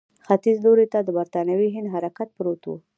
ختیځ لوري ته د برټانوي هند حکومت پروت وو.